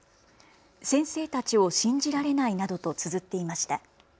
先生たちをしんじられないなどとつづっていました。